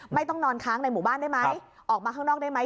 ไม่ต้องนอนค้างในหมู่บ้านได้ไหมออกมาข้างนอกได้ไหม